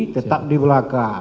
tetap di belakang